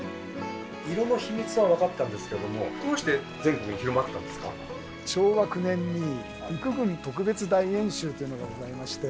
色の秘密は分かったんですけども昭和９年に陸軍特別大演習というのがございまして。